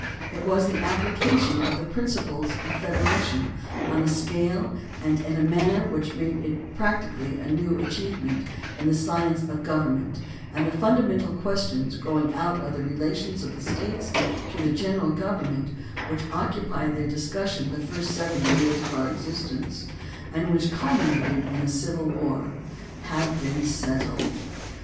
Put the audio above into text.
It was the application of the principles of federation on a scale and in a manner which made it practically a new achievement in the science of government and the fundamental questions growing out of the relations of the States to the general government, which occupied in their discussion the first seventy years of our existence, and which culmi nated in a civil war, have been settled.